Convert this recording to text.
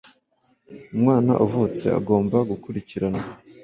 Umwana uvutse agomba gukurikiranwa,